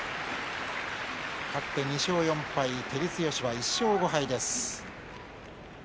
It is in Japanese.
勝って２勝４敗照強は１勝５敗です。